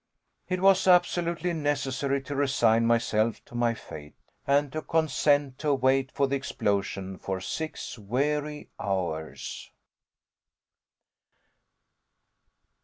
It was absolutely necessary to resign myself to my fate, and to consent to wait for the explosion for six weary hours!